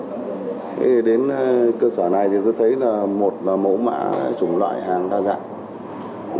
thế thì đến cơ sở này thì tôi thấy là một mẫu mạ chủng loại hàng đa dạng